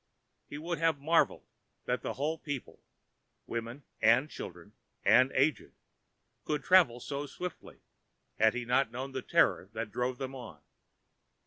He would have marvelled that a whole people—women and children and aged—could travel so swiftly, had he not known the terror that drove them on.